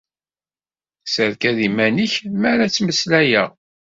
Serkad iman-ik mi ara ttmeslayeɣ.